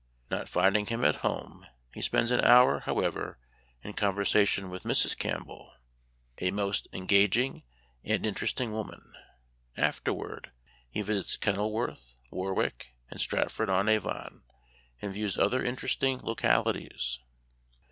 Not finding him at home, he spends an hour, however, in conversation with Mrs. Campbell, "a most engaging and interesting woman." Memoir of Washington Irving. 75 Afterward he visits Kenilworth, Warwick, and Stratford on Avon, and views other interesting localities.